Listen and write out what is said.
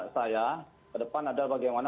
saya ke depan adalah bagaimana